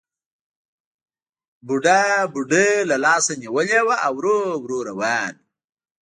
بوډا بوډۍ له لاسه نیولې وه او ورو ورو روان وو